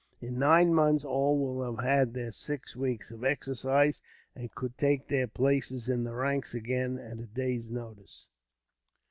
In nine months, all will have had their six weeks of exercise, and could take their places in the ranks again, at a day's notice.